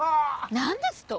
何ですと？